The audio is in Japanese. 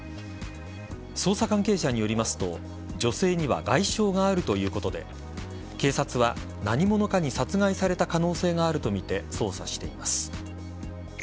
捜査関係者によりますと女性には外傷があるということで警察は何者かに殺害された可能性があるとみて捜査しています。